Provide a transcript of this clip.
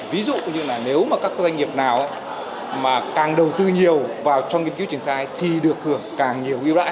ví dụ như là nếu các doanh nghiệp nào càng đầu tư nhiều vào trong nghiên cứu triển khai thì được hưởng càng nhiều